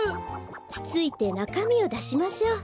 つついてなかみをだしましょう。